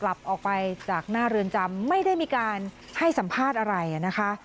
กลับออกไปจากหน้าเรือนจำไม่ได้มีการให้สัมภาษณ์อะไรนะคะ